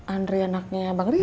andri anaknya abang rijal